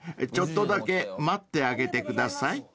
ちょっとだけ待ってあげてください］